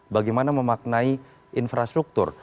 bagaimana memaknai infrastruktur